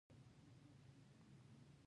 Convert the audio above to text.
له هغو نه د پند او عبرت اړخ ترلاسه کړي.